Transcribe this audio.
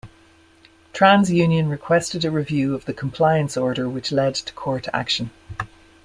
Trans Union requested a review of the compliance order which led to court action.